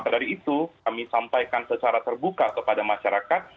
dari itu kami sampaikan secara terbuka kepada masyarakat